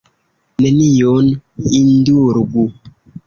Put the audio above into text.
Neniun indulgu!